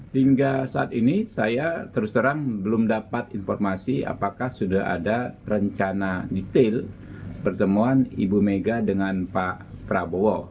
hingga saat ini saya terus terang belum dapat informasi apakah sudah ada rencana detail pertemuan ibu mega dengan pak prabowo